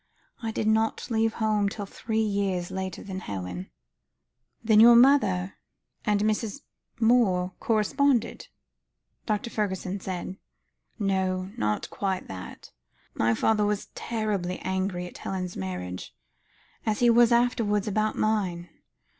I did not leave home till three years later than Helen." "Then your mother and Mrs. Moore corresponded?" Dr. Fergusson asked. "No, not quite that. My father was terribly angry at Helen's marriage, as he was afterwards about mine.